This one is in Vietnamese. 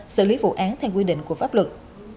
xử lý vụ án theo quy định của pháp luật